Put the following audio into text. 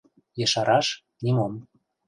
Ешараш — нимом...